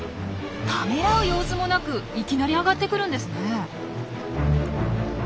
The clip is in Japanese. ためらう様子もなくいきなり上がってくるんですね。